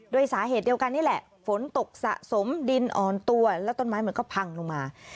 โดยสาเหตุเดียวกันนี่แหละฝนตกสะสมดินอ่อนตัวแล้วต้นไม้มันก็พังลงมา